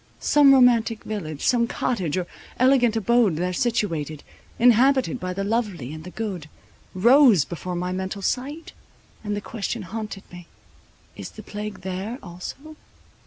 Some romantic village, some cottage, or elegant abode there situated, inhabited by the lovely and the good, rose before my mental sight, and the question haunted me, is the plague there also?